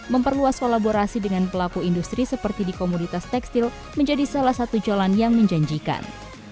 memperluas kolaborasi dengan pelaku industri seperti di komoditas tekstil menjadi salah satu jalan yang menjanjikan